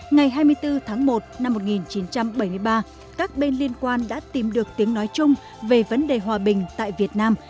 ngày hai mươi bốn tháng một năm một nghìn chín trăm bảy mươi ba các bên liên quan đã tìm được tiếng nói chung về vấn đề hòa bình tại việt nam